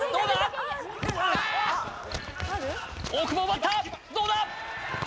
大久保奪ったどうだ！？